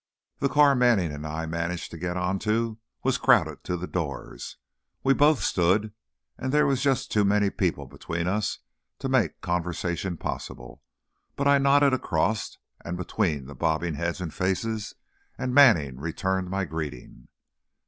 The car Manning and I managed to get onto was crowded to the doors. We both stood, and there were just too many people between us to make conversation possible, but I nodded across and between the bobbing heads and faces, and Manning returned my greeting.